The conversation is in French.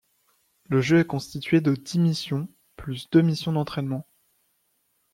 Le jeu est constitué de dix missions, plus deux missions d'entraînement.